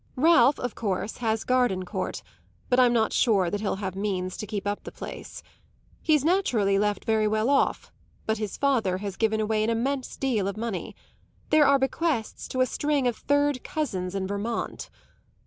Ralph, of course, has Gardencourt; but I'm not sure that he'll have means to keep up the place. He's naturally left very well off, but his father has given away an immense deal of money; there are bequests to a string of third cousins in Vermont.